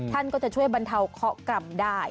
ท่านก็จะช่วยบรรเทาเคาะกรรมได้